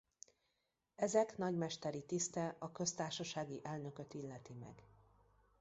Ezek nagymesteri tiszte a köztársasági elnököt illeti meg.